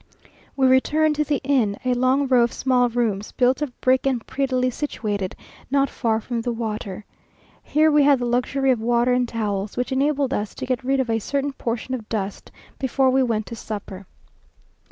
We returned to the inn, a long row of small rooms, built of brick and prettily situated, not far from the water. Here we had the luxury of water and towels, which enabled us to get rid of a certain portion of dust before we went to supper.